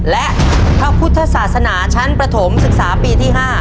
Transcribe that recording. และพระพุทธศาสนาชั้นประถมศึกษาปีที่๕